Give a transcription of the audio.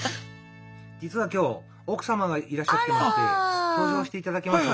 実は今日奥さまがいらっしゃってまして登場していただきます。